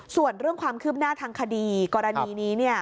ส่วนเรื่องความคืบหน้าทางคดีกรณีนี้